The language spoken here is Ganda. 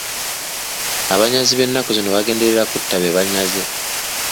Abanyazi b'ennaku zino bagenderera okutta be banyaze.